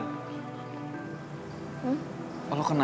ibu tak bisa